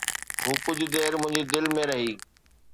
هو ڪجهه دير منهنجي دل ۾ رهي